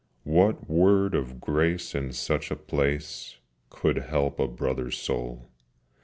What word of grace in such a place Could help a brother's soul?